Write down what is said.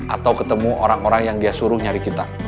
atau ketemu orang orang yang dia suruh nyari kita